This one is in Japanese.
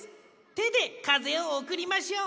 てでかぜをおくりましょう。